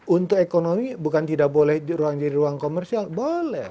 untuk ekonomi bukan tidak boleh ruang jadi ruang komersial boleh